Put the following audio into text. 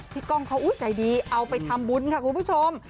กล้องเขาใจดีเอาไปทำบุญค่ะคุณผู้ชม